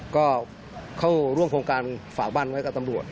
ก็เข้าร่วมโครงการฝากบ้านไว้กับตำรวจ